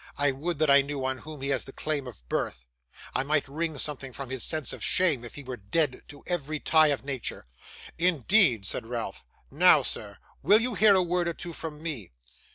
I would that I knew on whom he has the claim of birth: I might wring something from his sense of shame, if he were dead to every tie of nature.' 'Indeed!' said Ralph. 'Now, sir, will you hear a word or two from me?